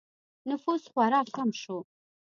نفوس خورا کم شو